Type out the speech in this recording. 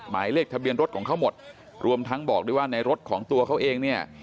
หมายเลขทะเบียนรถของเขาหมดรวมทั้งบอกด้วยว่าในรถของตัวเขาเองเนี่ย